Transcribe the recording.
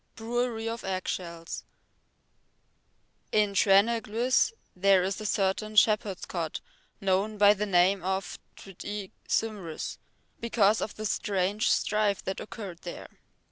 Brewery of Eggshells In Treneglwys there is a certain shepherd's cot known by the name of Twt y Cymrws because of the strange strife that occurred there.